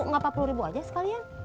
nggak empat puluh ribu aja sekalian